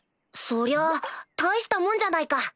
そりゃ大したもんじゃないか！